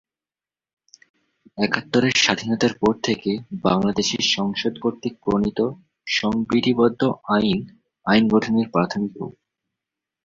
একাত্তরের স্বাধীনতার পর থেকে বাংলাদেশের সংসদ কর্তৃক প্রণীত সংবিধিবদ্ধ আইন আইন গঠনের প্রাথমিক রূপ।